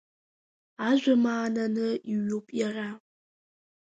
Ажәамаананы иҩуп иара.